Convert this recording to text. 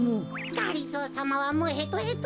がりぞーさまはもうへとへと。